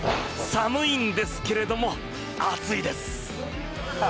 寒いんですけれども熱いです。